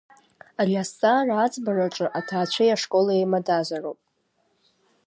Ари азҵаара аӡбараҿы аҭаацәеи ашколи еимадазароуп.